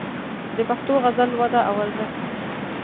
د پښتو غزل وده او ارزښت